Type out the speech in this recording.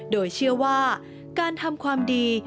โดยเชื่อว่าการทำความดี